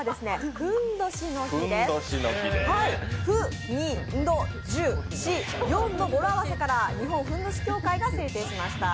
ふんどしの語呂合わせから日本ふんどし協会が制定しました。